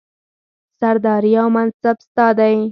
سرداري او منصب ستا دی